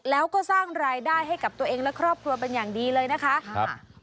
แล้วก็สร้างรายได้ให้กับตัวเองและครอบครัวเป็นอย่างดีเลยนะคะครับ